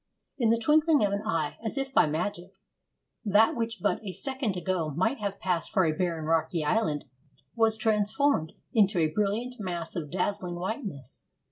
In the twinkling of an eye, as if by magic, that which but a second ago might have passed for a barren rocky island was transformed into a brilliant mass of dazzling whiteness.